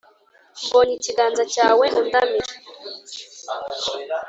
mbonye ikiganza cyawe undamira